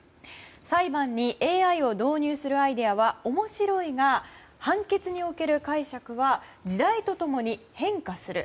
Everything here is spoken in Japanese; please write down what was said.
裁判にＡＩを導入するアイデアは面白いが、判決における解釈は時代と共に変化する。